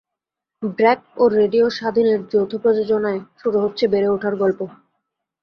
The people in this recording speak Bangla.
ব্র্যাক ও রেডিও স্বাধীনের যৌথ প্রযোজনায় শুরু হচ্ছে বেড়ে ওঠার গল্প।